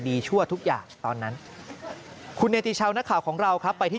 ชั่วทุกอย่างตอนนั้นคุณเนติชาวนักข่าวของเราครับไปที่